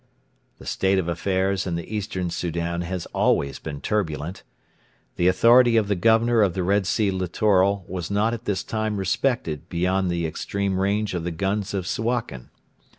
The state of affairs in the Eastern Soudan has always been turbulent. The authority of the Governor of the Red Sea Littoral was not at this time respected beyond the extreme range of the guns of Suakin.